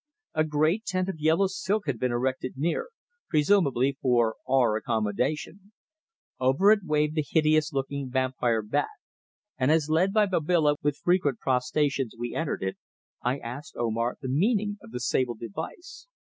A great tent of yellow silk had been erected near, presumably for our accommodation. Over it waved the hideous looking vampire bat, and as led by Babila with frequent prostrations we entered it, I asked Omar the meaning of the sable device.